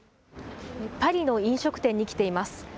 パリの飲食店に来ています。